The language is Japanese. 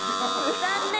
残念。